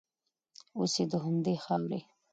اوس یې د همدې خاورې